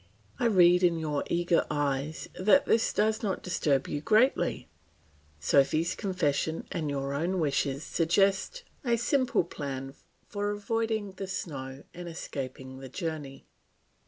I read in your eager eyes that this does not disturb you greatly; Sophy's confession and your own wishes suggest a simple plan for avoiding the snow and escaping the journey.